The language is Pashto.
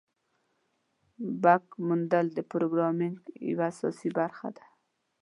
بګ موندل د پروګرامینګ یوه اساسي برخه ده.